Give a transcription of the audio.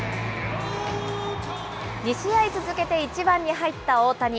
２試合続けて１番に入った大谷。